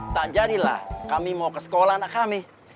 tak jadi lah kami mau ke sekolah anak kami